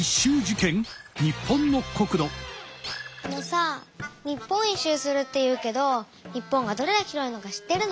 あのさぁ日本一周するって言うけど日本がどれだけ広いのか知ってるの？